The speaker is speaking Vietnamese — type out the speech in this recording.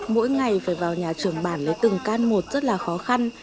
mỗi ngày phải vào nhà trường bản lấy từng can một rất là khó khăn